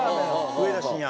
上田晋也飴。